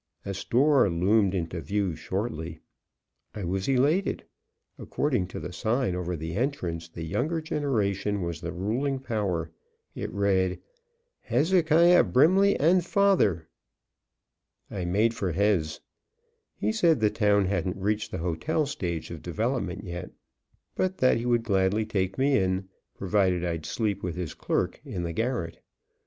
A store loomed into view shortly; I was elated. According to the sign over the entrance, the younger generation was the ruling power. It read: "Hezekiah Brimley and Father." I made for Hez. He said the town hadn't reached the hotel stage of development yet, but that he would gladly take me in, provided I'd sleep with his clerk in the garret.